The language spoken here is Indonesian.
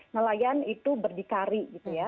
nelayan itu berdikari gitu ya